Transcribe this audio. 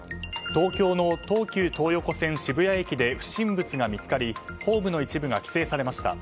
東京の東急東横線渋谷駅で不審物が見つかりホームの一部が規制されました。